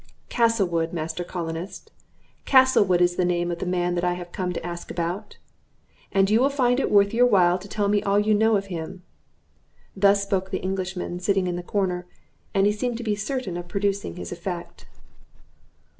"Castlewood, Master Colonist; Castlewood is the name of the man that I have come to ask about. And you will find it worth your while to tell me all you know of him." Thus spoke the Englishman sitting in the corner; and he seemed to be certain of producing his effect.